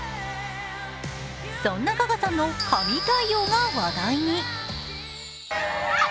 そんなガガさんの神対応が話題に。